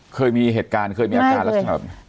เคยมีเหตุการณ์เคยมีอาการลักษณะ